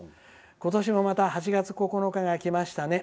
今年もまた８月９日が来ましたね。